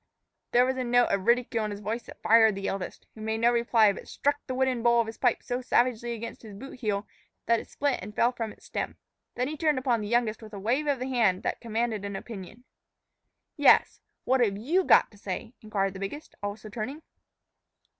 There was a note of ridicule in his voice that fired the eldest, who made no reply, but struck the wooden bowl of his pipe so savagely against his boot heel that it split and fell from its stem. Then he turned upon the youngest with a wave of the hand that commanded an opinion. "Yes, what've you got to say?" inquired the biggest, also turning.